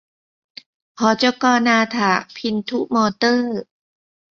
หจก.นาถะพินธุมอเตอร์